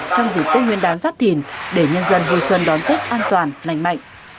trong dịp kết nguyên đán giáp thìn để nhân dân vui xuân đón tết an toàn nành mạnh